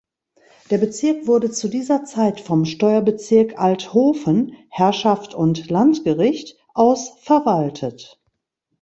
Der Bezirk wurde zu dieser Zeit vom Steuerbezirk Althofen (Herrschaft und Landgericht) aus verwaltet.